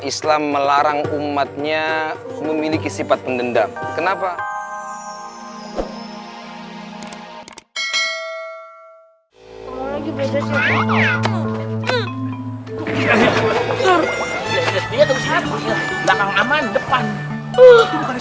islam melarang umatnya memiliki sifat pendendam kenapa lagi besok